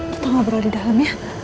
kita ngobrol di dalam ya